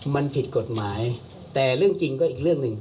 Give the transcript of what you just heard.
มันผิดกฎหมายแต่เรื่องจริงก็อีกเรื่องหนึ่ง